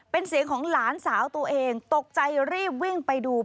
เป็นเสียงของหลานสาวตัวเองตกใจรีบวิ่งไปดู